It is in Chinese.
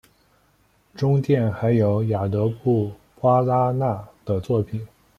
中殿还有雅格布瓜拉纳的作品。